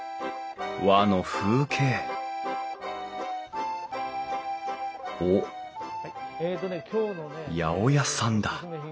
和の風景おっ八百屋さんだ